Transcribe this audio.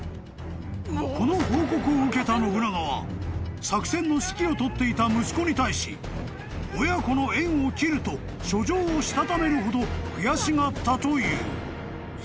［この報告を受けた信長は作戦の指揮を執っていた息子に対し親子の縁を切ると書状をしたためるほど悔しがったという］